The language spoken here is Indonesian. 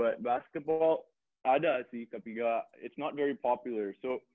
tapi basketball ada sih tapi ga itu ga sangat populer